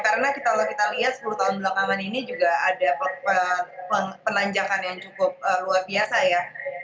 karena kalau kita lihat sepuluh tahun belum aman ini juga ada penanjakan yang cukup luar biasa ya